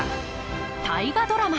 大河ドラマ